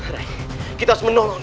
ray kita harus menolong